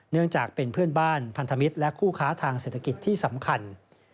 เนื่องจากเป็นเพื่อนบ้านพันธมิตรและคู่ค้าทางเศรษฐกิจที่สำคัญ